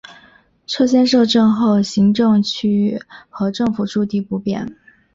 撤乡设镇后行政区域和政府驻地不变。